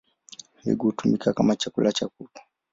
Mbegu hutumika kama chakula cha kuku.